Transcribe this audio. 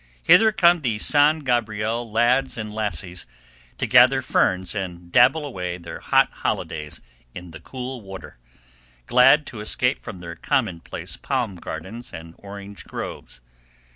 Hither come the San Gabriel lads and lassies, to gather ferns and dabble away their hot holidays in the cool water, glad to escape from their commonplace palm gardens and orange groves.